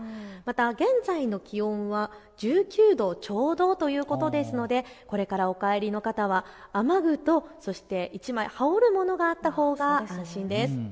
現在の気温は１９度ちょうどということですのでこれからお帰りの方は雨具と、そして１枚羽織るものがあったほうが安心です。